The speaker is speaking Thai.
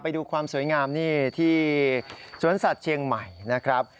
ไปดูความสวยงามนี่ที่สวนสัตว์เชียงใหม่นะครับ